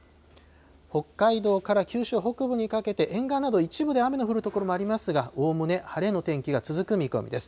北海道から九州北部にかけて、沿岸など一部で雨の降る所もありますが、おおむね晴れの天気が続く見込みです。